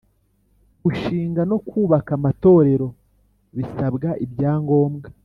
Gushinga no kubaka amatorero bisabirwa ibyangobwa